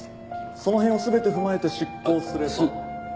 その辺を全て踏まえて執行すれば。